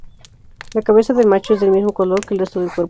La cabeza del macho es del mismo color que el resto del cuerpo.